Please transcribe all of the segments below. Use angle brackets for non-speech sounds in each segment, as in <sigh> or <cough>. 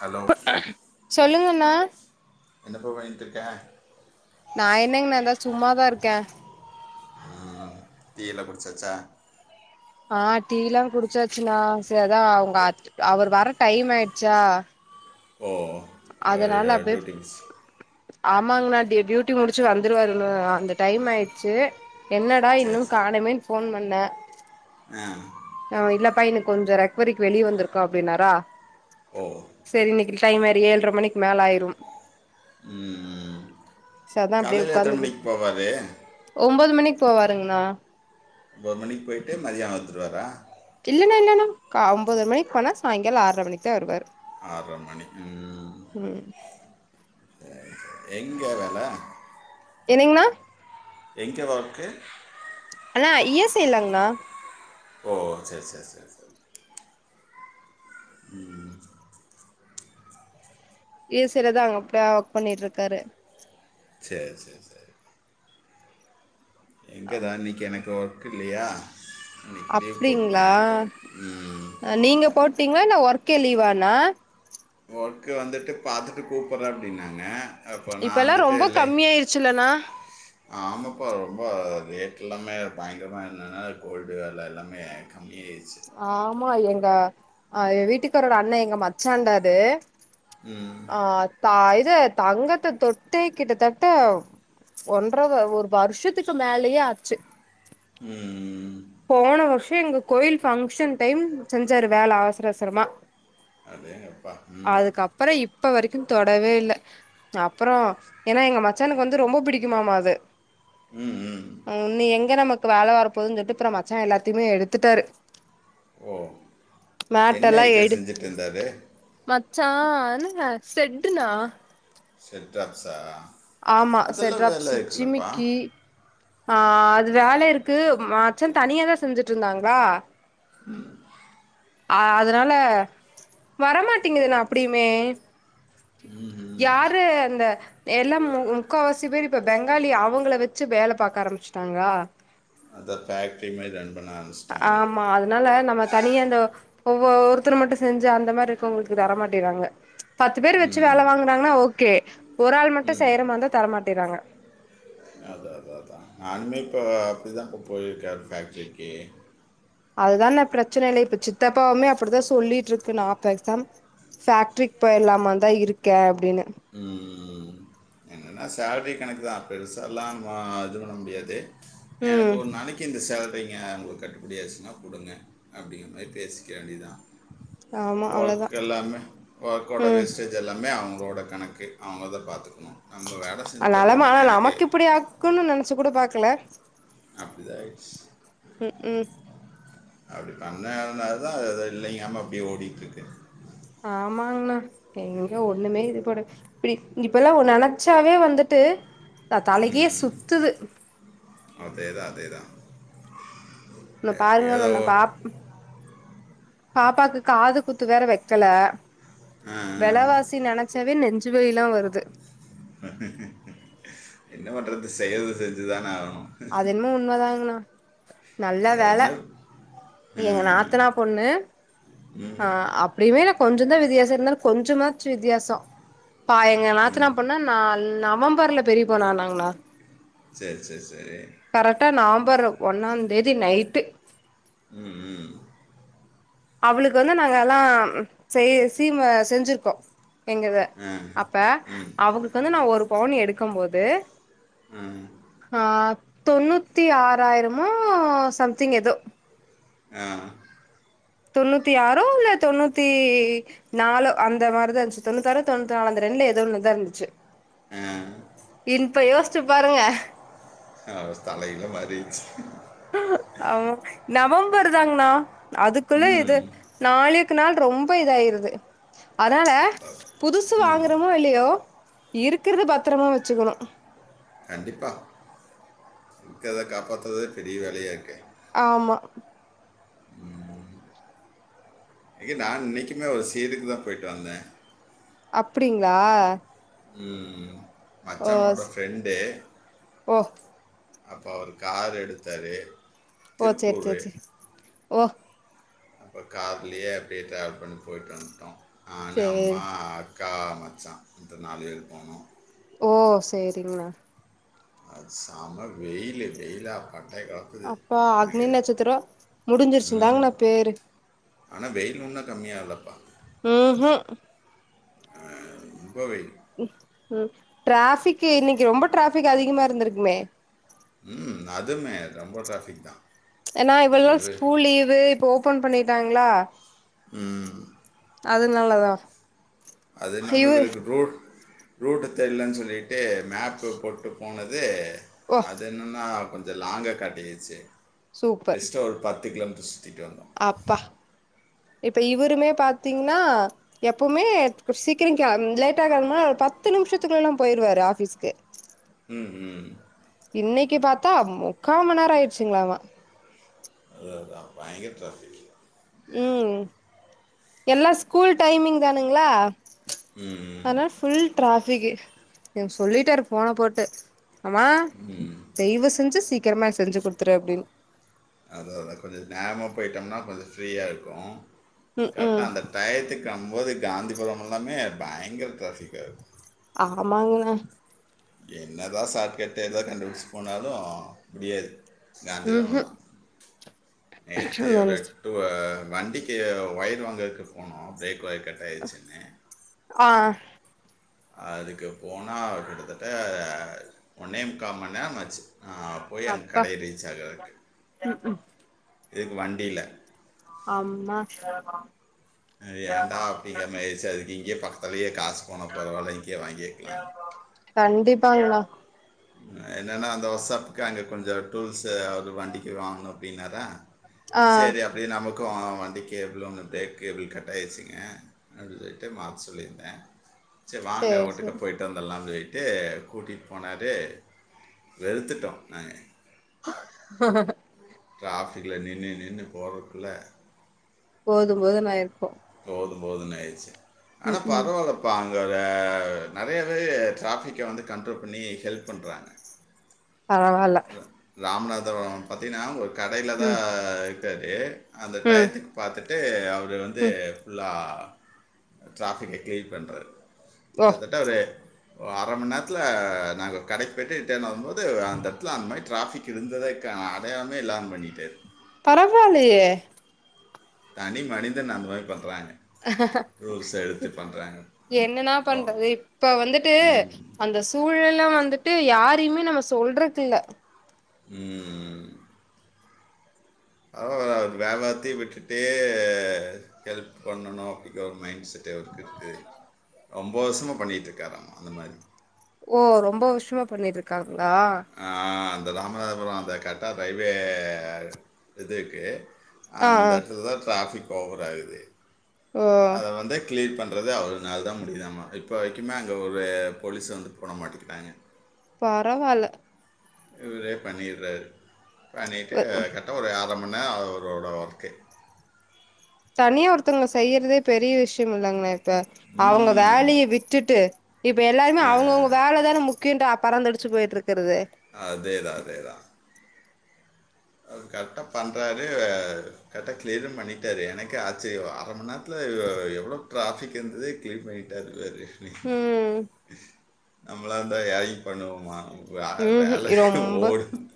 Hello சொல்லுங்கண்ணா என்னப்ப பண்ணிகிட்டுருக்க நா என்னங்கண்ணா இந்தா சும்மாதா இருக்கே தீயெல்லாம் குடிச்சாச்சா அஹ் டீயெல்லாம் குடிச்சாச்சுனா சர்தான் அவங்க அவர் வர டைம் ஆயிடுச்சா ஓ அதனால அப்பே டியூட்டி முடிச்சு ஆமாங்கண்ணா டி டியூட்டி முடிச்சு வந்துருவாரு அந்த டைம் ஆயிடுச்சு என்னடா சரி இன்னு காணமேனு போன் ப ன்ன ம் ஆ இல்லப்பா இன்னக்கு கொஞ்சோ ரெக்கவரிக்கு வெளியே வந்திருக்கோ அப்டின்னாரா ஓ செரி இன்னக்கி டைம் வேற ஏழ்ர மணிக் மேல ஆயிரு ம் ம் அதா அப்டியே காலைல எத்தன மணிக்கு போவாரு ஒரு மணிக் போவாருங்கண்ணா ஒரு மணிக்கு போய்ட்டு மதியான வந்துருவரா இல்லன்னா இல்லன்னா கா ஒம்போதர மணிக்கு போனா சாய்ங்கால ஆற்ரை மணிக் தா வருவாரு ஆற்ர மணி ம் ம் எங்க வேல என்னங்கண்ணா எங்க ஒர்க்கு அண்ணா இ எஸ் ஐ லாங்ண்ணா ஓ செரி செரி செரி ம் இ எஸ் ஐ லதா அங்க அப்டியா ஒர்க் பண்ணிட்டு இருக்காரு சேரி சேரி சேரி எங்கதா இன்னுக் <unintelligible> ஒர்க் இல்லியா அப்டிங்களா நீங்க போட் போட்டீங்ளா இல்ல ஒர்க்கே லீவாண்ணா ஒர்க் வந்துட்டு பாத்துட்டு கூப்புற்றே அப்டின்னே இப்பெல்லா ரொம்ப கம்மியாயிருச்சுல்லண்ணா ஆம்மாப்பா ரொம்ப ரேட் எல்லாமே பயங்கரமா என்னன்னா கோல்டு வெல எல்லாமே கம்மியாய் ஆம்மா எங்க அ எங்க வீட்டுக்காரோட அண்ணே எங்க மச்சாண்டா அது ம். ஆ தாய் இது தங்கத்த தொட்டே கிட்டத்தட்ட ஒன்ற ஒரு வருஷத்துக்கு மேலயே ஆச்சு உம் ம் போன வருஷ் எங்க கோயில் பங்சன் டைம் செஞ்சாரு வேல அவசர அவசரமா அடேங்கப்பா உம் அதுக்கப்புறம் இப்ப வரைக்கு தொடவே இல்ல அப்றோ ஏன்னா எங்க மச்சானுக்கு வந்து ரொம்ப புடிக்குமாம அது ம் நீ எங்க நமக் <unintelligible> வேல வரப்போதுன் சொல்ட்டு அப்புறம் மச்சான் எல்லாத்தையுமே எடுத்துட்டாரு ஓ! என்ன மேட்டெல்லாம் ஐட்டம் எடு செஞ்சுட்டு இருந்தாரு? வ ச்சா என்னனா செட்டுனா செட் டிராப்ஸா ஆமா செட்ராப்ஸு ஜிமிக்கி ஆஹ்ன் அது வேலை இருக்கு ம மச்சான் தனியாதான் செஞ்சுட்ருந்தாங்களா உம் ஆன் அதனால வரமாட்டிங்குதுனா அப்டியுமே யாரு அந்த எல்லா மு முக்காவாசி பேரு இப்ப பெங்காலி அவுங்கள வச்சு வேலை பாக்க ஆரம்பிச்சுட்டாங்களா அந்த பேக்ட்ரி இமேஜ் அனுப் ஆமா அதனால நம்ம தனியா அந்த ஒ ஒ ஒருத்தரு மட்டும் செஞ்சு அந்த மாரி இருக்கவுங்களுக்கு தர மாட்டிறாங்க பத்து பேரு வச்சு வேலை வாங்றாங்கன்னா ஓக் கே ஒரு ஆள் மட்டும் செய்றமாறிந்தா தரமாட்டிறாங்க அதான், அதான் அதான் நானுமே இப்போ அப்டிதான் இப்போ போயிருக்கேன் ஃபேக்ட்ரிக்கு அதுதான்ணே பிரச்சனை இல்லை இப்ப சித்தப்பாவுமே அப்டிதான் சொல்லிட்ருக்கு நான் பேசாம் ஃபேக்ட்ரிக்கு போய்ற்லாமான்தான் இருக்கேன் அப்டின்னு உம் என்னன்னா சேல்ரி கணக்கு தான் பெருசாலாம் ஆ இது பண்ண முடியாது எனக்கு ம் ஒரு நாளைக்கு இந்த செல் வைங்க ஒங்களுக்கு கட்டுப்படியாச்சுன்னா குடுங்க அப்டிங்கிற மாரி பேசிக்க வேண்டியிதான் ஆமா அவ்ளோதா ஒர்க் எல்லாமே ஒர்க்கோட ம் வேஸ்டேஜ் எல்லாமே ஆகும் ப்ரொடொக்ட் கணக்கு அவுங்கதான் பாத்துக்க ஆனாலுமா நமக்கு இப்டி ஆக்கும்னு நினைச்சு கூட பாக் ல அப்டிதான் ஆயிடுச்சு ம் ம் அப்டி பண்ணாதனால தான் அது இல்லைங்காம அப்டியே ஓடிட்ருக்கு ஆமாங்ணா எங்க ஒண்ணுமே இது போட இப்டி இப்பெல்லாம் நெனைச்சாவே வந்துட்டு தா தலையே ம். சுத்துது அதேதான், அதேதான். இந்த எப்படி பாருங்க ஏதோ நானு பாப் பாப்பாக்கு காது குத்து வேற வக்கல அ வெலவாசி நெனைச்ச நெஞ்சுவலிலாம் வருது என்ன பண்றது செய்யறது செஞ்சுதான ஆகனு அது என்னமோ உண்மதாங்கணா நல்ல வேல என்ன எங்க ம் நாத்தனா பொண்ணு ஆ ம் அப்டியுமே நா கொஞ்சசோ தா வித்தியாச இருந்தாலு கொஞ்சமாச்சு வித்தியாசோ பா எங்க நாத்தனா பொண்ணா நான் நவம்பர்ல பெரிய பொண் ஆனங்களா? செரி செரி செரி கரெக்டா நாம் பரு ஒன்னந்தேதி நைட்டு ம் ம் அவளுக்கு வந்து நாங்க எல்லா செய் சீம செஞ்சிருக்கோ எங்கத ஆ அப்ப ம் அவங்களுக்கு வந்து நா ஒரு பவுன் எடுக்கும் போது ஆ ஆ தொண்ணூத்தி ஆராயிரமோ சம்திங் எதோ ஆ தொண்ணூத்தி ஆறோ இல்ல தொண்ணூத்தி நாலோ அந்த மாரிதா இருந்துச்சு தொண்ணூத்தி ஆரோ இல்ல தொண்ணூத்தி நாலோ அந்த ரெண்டுல ஏதோ ஒண்ணு தா இருந்துச்சு ம் இப்ப யோசுச்சு பாருங்க ஆஹ் தலகில மாரிச்சு ஆஹ் ஆமா நவம் பர் தாங்னா அதுக்குள்ள இது ம் நாளே க்கு நாள் ரொம்ப இதாயிருது அதால அ- புதுசு ம் வாங்கறமோ இல்லையோ இருக்குறத பத்தரமா வெச்சுக்கணு கண்டிப்பா இக்கறத காப்பாத்தவே பெரிய வேலையாருக்கே ஆமா எங்க நா இன்னைக்கிமே ஒரு சேட்டுக்கு தா போயிட்டு வந்த அப்டிங்களா ம் ஓ மச்சாவோட ஸ் ஃப்ரெண்ட்டு ஓ அப்ப அவரு காரு எடுத்தாரு ஓ செரி செரி செரி ஓ அப்றோ கார்லயே அப்டியே டிரவல் பண் போயிட்டு வந்ட்டோ ஆனு அம்மா சேரி அக்கா மச்சா இந்த நாலு பேரு போனோ ஓ சேரிங்ண்ணா அது செம வெயிலு வெயிலா பட்டைய கலப்புது அப்போ அக்னி நினைக்கிறேன் நட்சத்திரோ முடிஞ்சிருச்சு தாங்ண்ணா பேரு ஆனா வெயில் உன்னு கம்மியாளப்பா ம் ஹும் அ ரொம்ப வெயில் ம் ம் டிராபிக் இன்னைக்கி ரொம்ப டிராபிக் அதிகமா இருந்திருக்குமே ம் அதுமே ரொம்ப டிரஃபிக் தா ஏன்னா இவளோநாள் ஸ்கூல் லீவு இப்போ போன் பண்ணிட்டாங்களா ம் அது நல்லதா அது இல்லாம <unintelligible> ரூட்டு் தெரில்லன்னு சொல்லிட்டு மேப்பு போட்டு போனது ஓ அது என்னன்னா கொஞ் அது லாங்கா காட்டிடுச்சு சூப்பர் எக்ஸ்ட்டா ஒரு பத்து கிலோ மீட் அ சுத்திட்டு வந் அப்பா இப்ப இவருமே பாத்தீங்ன்னா எப்பவுமே சீக்கிரம் கெளம் லேட்டா கெளம்புனா ஒரு பத்து நிமிஷத்துக்குள்ளலாம் போயிடுவாரு ஆஃபீஸ்க்கு ம் ம் இன்னேக்கிப் பாத்தா காமன் நேரோ ஆயிடுச்சுங்ளாமா அத அதா பயங்கர டிராபிக் ம் எல்லா ஸ்கூல் டைமிங் தானுங்ளா ம் ம் ஆனா ஃபுல் டிராஃபிக்கு எனக் சொல்லிட்டாரு போன போட்டு அம்மா தைய்வு செஞ்சு சீ க்கிரமா செஞ்சு குடுத்துரு அப்டின்னு போயிட்ம்னா கொஞ்சோ ஃப்ரீயா இருக்கூ ம் கரெட்டா ம் அந்த டயத்துக்கு அம் இப்போதைக் காந்திபுரம் எல்லாமே பயங்கர ட்ராஃபிக்கா இருக்கு ஆமாங்கணா என்னதா ஷார்ட் கட் எதா கண்டுபிடிச்சு போனாலூ முடியாது காந்திபுரந்தா ம்ஹும் நேத்து ஒரு மனசு டூ ஆ வண்டிக்கு ஒயர் வாங்கறக்கு போனோ பிரேக் ஒயர் கட்டாயிருச்சுன்னு ஆஹ் அதுக்கு போனா கிட்டத்தட்ட ஒன்னேமுக்காமண் நேரமாச்சு நா போய் அங்க அப்பா கடைய ரீச் ஆகறருக்கு இதுக்கு வண்டீல அம்மா ஏண்டா அப்படிங்கமாரி ஆயிருச்சு அதுக்கு இ இங்க பக்கத்தலியே காசு போனா பரவாயில்ல இங்கேயே வாங்கிக்கலா கண்டிப்பாங்களா என்னனா அந்த ஒர்ஸாப்புக்கு அங்கே கொஞ்சோ டூல்ஸு அவர் வண்டிக்கு வாங்கணு அப்படினாரா ஆ சேரி அப்படி நமக்கு க்கு வண்டி கேபிள் ஒன்னு ப்ரேக் கேபிள் கட்டாயிருச்சுங்க அப்படின்னு சொல்லிட்டு மாத்த சொல்லியிருந்த சேர் வாங்க சேரி ஒட்டுக்கா சேரி போய்ட்டு வந்தல்லானு சொல் கூட்டிட்டு போனாரு ட்டு வெறுத்துட்டோ நாங்க ஹ <unintelligible> டிராஃபிக்கல நின்னு நின்னு போறக்குல்ல போதும் போதும்னு ஆகியிருக்கு போதும் போதும்னு ஆயிருச்சு ஆனா ம் ம் பரவாயில்லப்பா நிறையவே ட்ராஃபிக்க வந்து கண்ட்ரோல் பண்ணி ஹெல்ப் பண்றாங்க பரவாயில்ல <unintelligible> பாத்தீனா ஒரு கடையிலதா இருக்காரு டே அந்த ம் டயத்துக்கு பாத்துட் ட்டு அவர் அவர் வந்து ம் ஃபுல்லா டிராஃபிக்க கிளியர் பண்றது ஓ கிட்டத்தட்ட அவரு அர மண் நேரத்துல நாங்கள் கடைக்கு போய்ட்டு ரிட்டேன் வரும் போது அந்த அந்த மாரி டிராபிக் இருந்ததுக்கான அடையாளமே இல்லாம பண்ணிட்டாரு பரவாலையே தனி மனிதன் அந்த மாரி பண்றாங்க இப் என்னன்னா பண்றது இப்ப வந்துட்டு ம் அந்த சூழல் வந்துட்டு யாரையுமே நம்ம சொல்றக்கு இல்ல உம் அவர் வியாபாரத்தையும் விட்டுட்டே ஹெல்ப் பண்ணணு அப்படிங்கற ஒரு மைண்ட் செட் <unintelligible> அவருக்கு இருக்கு ரொம்ப வருஷமா பண்ணிகிட்டு இருக்காராமா அந்த மாரி ஓ ரொம்ப வர்ஷமா பண்ணிட்டு இருக்காங்க ஆ அந்த ராமநாதபுரம் அந்த கட்டா ரயில்வே இதுக்கு ஆ ஆ அந்த இடத்தில தான் டிராஃபிக் ஓவராகுது ஓ அத வந்து கிளிர் பண்ண அதாது அவர்னால தா முடிதாமா இப்ப யிக்குமாே அங்க ஒரு போலீஸ் வந்து போட மாட்டிகிறாங்க பரவால இவரே பண்ணிடுறாரு பண்ணிட்டு அதுகேட்ட <unintelligible> <unintelligible> அவரோட ஒர்க்கு தனியா ஒருத்தங்க செய்றதே பெரிய விஷயம்யில்லங்க <unintelligible> அவங்க ம். வேலய விட்டுட்டு இப்ப எல்லாருமே அ. அவங்கவுங்க வேலதான முக்கியண்ட் பறந்தடிச்சி போயிட்ருக்கு அதேதா அதேதா அது கரெக்டா பண்ணுறாரு ஹா ஹா கரெக்டா கிளியரு பண்ணிட்டாரு எனக்கே ஆச்சரியோ அரமண் நேரத்ல எவ்லோ எவ்ளோ டிராபிக் இருந்தது கிளியர் பண்ணிட்டாரு பாரு ம் நம்ளா இருந்தா யாரையு பண்ணுவோமா வே உம் வேலை ரொம்ப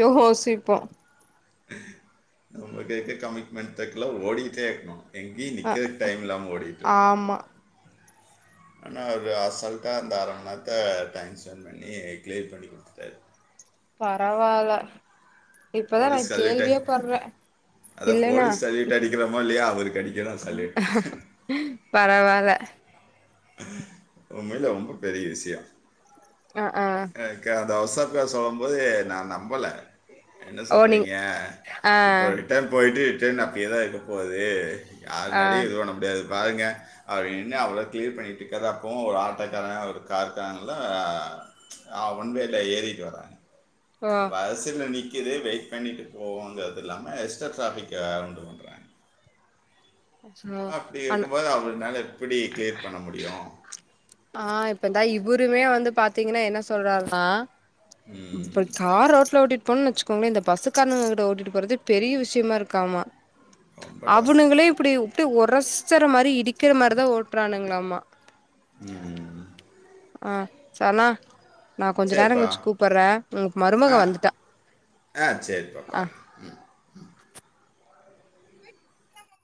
யோசிப் போ நம்ம கேக்கு கமிட்மெண்ட் இருக்குல ஓடிகிட்டே இருக்கோ எங்யெ அ நிக்கறதக்கு டைம் இல்லாம ஓடிட்கு ஆமா ஆனா அது அசால்ட்டா அந்த அரன்மண் நேரத்த டைம் ஸ்பெண்ட் பண்ணி கிளியர் பண்ணி குடுத்ட்டாரு பரவால போலீஸ் சல்யூட்டர் அதா போலீஸ் சல்யூட் அடிக்கிறமாயில்யா பரவால உண்மயில ரொம்ப பெரிய விஷயோ ஆ ஆ <unintelligible> ஒசத்தியா சொல்லும் போது நல்ல நம்பல என்ன ஓ நீங் சொல்றீங்க ஆ இப்ப ரிட்டன் போயிட்டு ட்ரெயின் அப்டியோதா இருக்க போது ஆ அது நறையா <unintelligible> முடியாது பாருங்க அவர் என்ன அவ்வளது கிளீர் பண்ணிகிட்டுயிருக்கர அப்போ ஒரு ஆட்டோக்கார ஒரு கார்காரன்ல ஒன் வேல ஏரிட்டு வராங்க ஓ வரிசையி நிக் இதே வெயிட் பண்ணிட்டு போவோங்கறது இல்லாம எஸ்டா ட்ராபிக்க உண்டு பண்றாங்க ஆ அப்டியே ஆனா இருக்கும்போது அவுங்க <unintelligible> எப்டி கிளியர் பண்ண முடியு ஆ இப்ப தா இவருமே வந்து பாத்தீங்கன்னா என்ன சொல்றாருனா இப்போ ம். கார் ரோட்ல ஓட்டிட்டு போன்னு வச்சுக்கோங்களே இந்த பஸ்க்கார்னவங்க கிட்ட ஓட்டிட்டு போறது பெரிய விஷயமா இருக்காமா ரொம்ப டாஸ்க். அவனுங்களே இப்டி இப்டி ஒரஸ் சர மாரி இடிக்கிற மாரி ஓட்றானுங்களாம்மா ம் ம் ஆ சனா நா கொஞ்ச நேரம் சரிப்பா கலிச்சு கூப்பிடுறே உங் மருமக ஆ வந்துட்டா ஆ சரிப்பா அ பாருங்கள்